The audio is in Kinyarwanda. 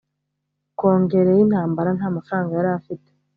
kongere yintambara ntamafaranga yari afite